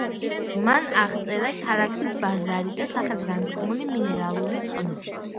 მან აღწერა ქალაქის ბაზარი და სახელგანთქმული მინერალური წყლები.